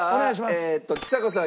ちさ子さん